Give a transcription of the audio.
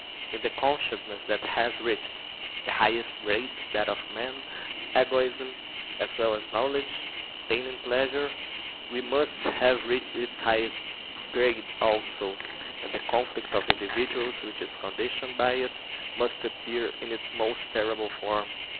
In the consciousness that has reached the highest grade, that of man, egoism, as well as knowledge, pain and pleasure, must have reached its highest grade also, and the conflict of individuals which is conditioned by it must appear in its most terrible form.